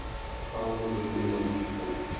Pocházel z rodiny horníků.